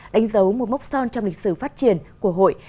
đánh dấu một mốc son trong lịch sử phát triển của hội